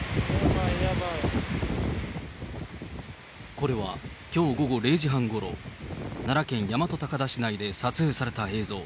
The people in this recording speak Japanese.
これはきょう午後０時半ごろ、奈良県大和高田市内で撮影された映像。